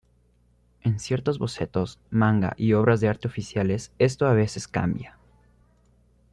En ciertos bocetos manga y obras de arte oficiales, esto a veces cambia.